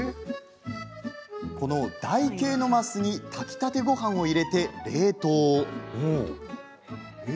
この台形の升に炊きたてごはんを入れて冷凍。